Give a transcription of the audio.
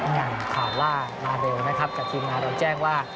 ครับข่าวว่ามาเร็วนะครับสักทีมาเจ้งว่า